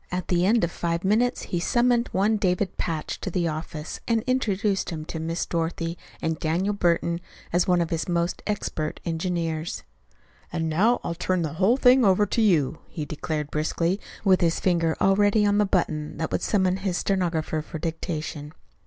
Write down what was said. At the end of five minutes he summoned one David Patch to the office, and introduced him to Miss Dorothy and Daniel Burton as one of his most expert engineers. "And now I'll turn the whole thing over to you," he declared briskly, with his finger already on the button that would summon his stenographer for dictation.